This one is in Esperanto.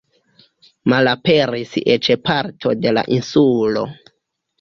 Malaperis eĉ parto de la insulo.